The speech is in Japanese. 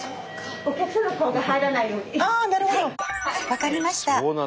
分かりました。